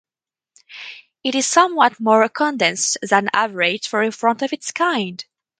It is somewhat more condensed than average for a font of its kind.